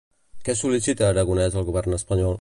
Què sol·licita Aragonès al govern espanyol?